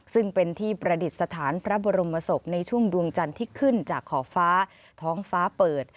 ซึ่งเป็นที่ประดิษฐานพระบรมศพในช่วงดวงจันทร์ที่ขึ้นจากขอบฟ้าท้องฟ้าเปิด